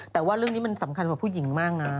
แต่ว่าเรื่องนี้มันสำคัญกว่าผู้หญิงมากนะ